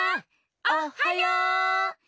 おっはよ！